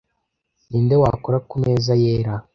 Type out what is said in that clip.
ninde wakora ku meza yera